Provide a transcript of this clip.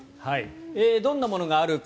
どんなものがあるか